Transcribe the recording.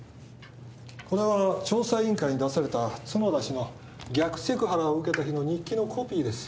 これは調査委員会に出された角田氏の逆セクハラを受けた日の日記のコピーです。